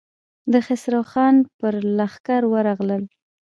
د خسرو خان پر لښکر ورغلل.